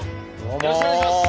よろしくお願いします。